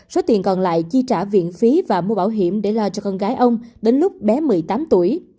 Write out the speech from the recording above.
số tiền còn lại chi trả viện phí và mua bảo hiểm để lo cho con gái ông đến lúc bé một mươi tám tuổi